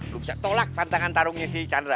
gue bisa tolak tantangan tarungnya si chandra